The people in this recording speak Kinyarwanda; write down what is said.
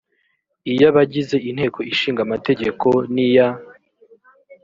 iy abagize inteko ishinga amategeko n iya